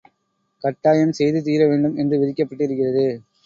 கட்டாயம் செய்து தீர வேண்டும் என்று விதிக்கப்பட்டிருக்கிறது.